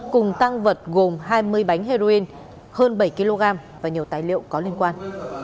cùng tăng vật gồm hai mươi bánh heroin hơn bảy kg và nhiều tài liệu có liên quan